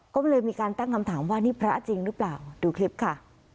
ก็เลยมีการตั้งคำถามว่านี่พระจริงหรือเปล่าดูคลิปค่ะ